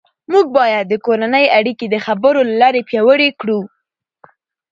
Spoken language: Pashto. موږ باید د کورنۍ اړیکې د خبرو له لارې پیاوړې کړو